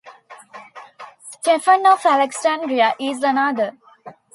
Stephen of Alexandria is another.